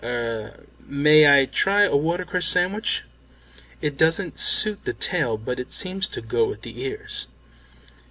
Er may I try a watercress sandwich? It doesn't suit the tail, but it seems to go with the ears."